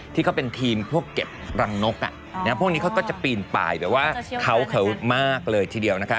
ที่ก็เป็นทีมพวกเก็บรังนกอ่ะพวกนี้ก็จะเปียนปลายเพราะว่าเขาเคยมากเลยทีเดียวนะฮะ